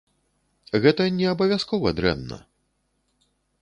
Гэта не абавязкова дрэнна.